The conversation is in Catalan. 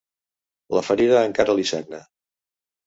La ferida encara li sagna.